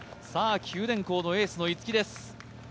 九電工のエースの逸木です。